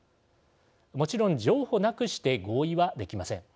もちろん譲歩なくして合意はできません。